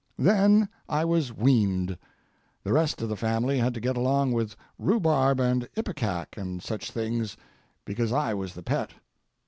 Then I was weaned. The rest of the family had to get along with rhubarb and ipecac and such things, because I was the pet.